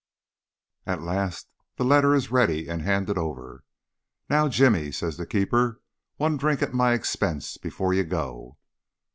At last the letter is ready and handed over. "Now, Jimmy," says the keeper, "one drink at my expense before you go."